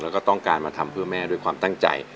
แล้วก็ต้องการมาทำเพื่อแม่ด้วยความตั้งใจ